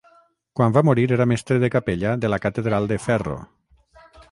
Quan va morir era mestre de capella de la catedral de Ferro.